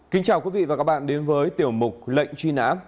kính chào quý vị và các bạn đến với tiểu hóa